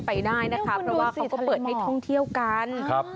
ไปได้นะคะเพราะว่าเขาก็เปิดให้ท่องเที่ยวกันครับ